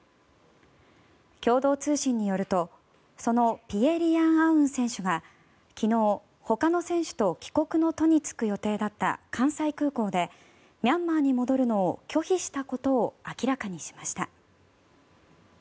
共同通信によるとそのピエ・リヤン・アウン選手が昨日、ほかの選手と帰国の途に就く予定だった関西空港でミャンマーに戻るのを拒否したことを明らかにしました。